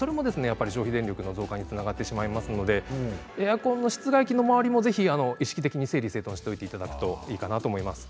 やっぱり消費電力の増加につながってしまいますのでエアコンの室外機の周りもぜひ意識的に整理整頓しといていただくといいかなと思います。